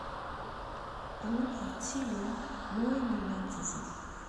Qqlent d tili n wayen llant zik.